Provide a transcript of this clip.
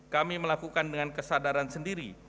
kami melakukan dengan kesadaran sendiri